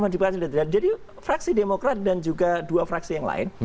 jadi fraksi demokrat dan juga dua fraksi yang lain